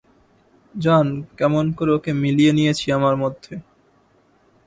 জান কেমন করে ওকে মিলিয়ে নিয়েছি আমার মধ্যে।